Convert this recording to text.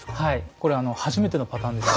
これ初めてのパターンです。